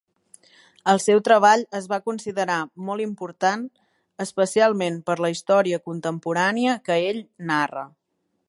El seu treball es va considera molt important, especialment per la història contemporània que ell narra.